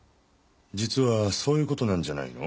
実はそういう事なんじゃないの？